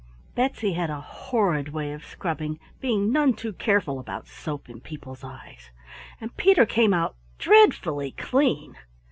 Betsy had a horrid way of scrubbing, being none too careful about soap in people's eyes, and Peter came out dreadfully clean.